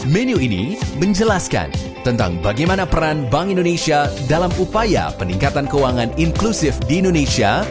menu ini menjelaskan tentang bagaimana peran bank indonesia dalam upaya peningkatan keuangan inklusif di indonesia